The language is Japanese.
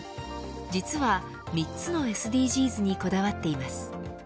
実は３つのＳＤＧｓにこだわっています。